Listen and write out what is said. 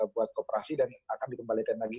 buat kooperasi dan akan dikembalikan lagi